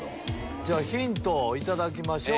ヒントを頂きましょう。